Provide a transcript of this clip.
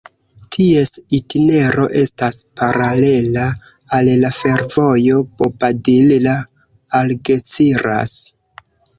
Ties itinero estas paralela al la fervojo Bobadilla-Algeciras.